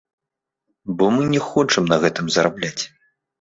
Бо мы не хочам на гэтым зарабляць.